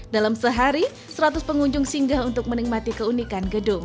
dalam sehari seratus pengunjung singgah untuk menikmati keunikan gedung